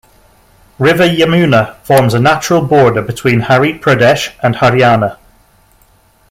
River Yamuna forms a natural border between Harit Pradesh and Haryana.